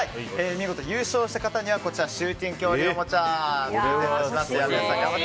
見事優勝した方にはシューティング恐竜おもちゃプレゼントします。